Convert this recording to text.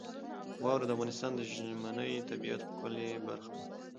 واوره د افغانستان د ژمنۍ طبیعت ښکلې برخه ده.